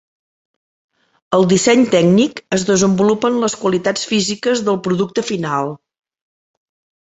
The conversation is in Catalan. Al disseny tècnic es desenvolupen les qualitats físiques del producte final.